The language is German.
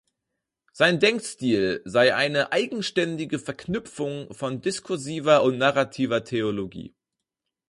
Sein Denkstil sei eine eigenständige Verknüpfung von diskursiver und narrativer Theologie.